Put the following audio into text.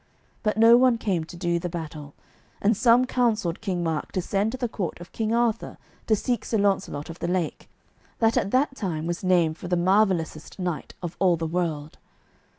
But no one came to do the battle, and some counselled King Mark to send to the court of King Arthur to seek Sir Launcelot of the Lake, that at that time was named for the marvellousest knight of all the world.